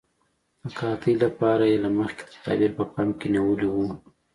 د قحطۍ لپاره یې له مخکې تدابیر په پام کې نیولي وو.